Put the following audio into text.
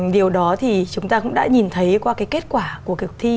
điều đó thì chúng ta cũng đã nhìn thấy qua kết quả của cuộc thi